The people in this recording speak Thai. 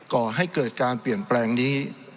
ก่อให้เกิดการเปลี่ยนแปลงนี้